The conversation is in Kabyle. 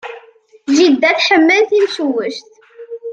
Jida tḥemmel timcewwect.